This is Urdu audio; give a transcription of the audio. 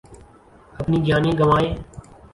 اپنی جانیں گنوائیں